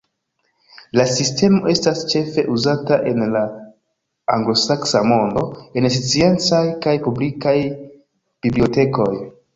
La sistemo estas ĉefe uzata en la anglosaksa mondo en sciencaj kaj publikaj bibliotekoj.